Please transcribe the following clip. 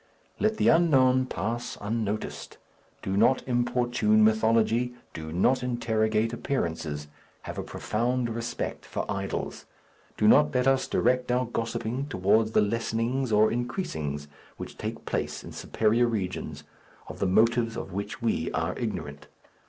Let the unknown pass unnoticed. Do not importune mythology. Do not interrogate appearances. Have a profound respect for idols. Do not let us direct our gossiping towards the lessenings or increasings which take place in superior regions, of the motives of which we are ignorant.